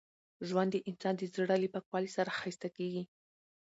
ژوند د انسان د زړه له پاکوالي سره ښایسته کېږي.